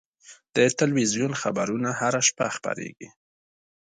د تلویزیون خبرونه هره شپه خپرېږي.